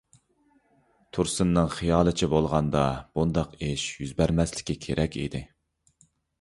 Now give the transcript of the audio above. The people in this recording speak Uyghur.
تۇرسۇننىڭ خىيالىچە بولغاندا بۇنداق ئىش يۈز بەرمەسلىكى كېرەك ئىدى.